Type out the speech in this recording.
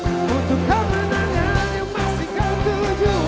untuk kemenangan masih kan tuju